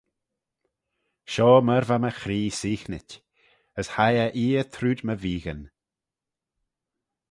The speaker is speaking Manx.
Shoh myr va my chree seaghnit: as hie eh eer trooid my veeghyn.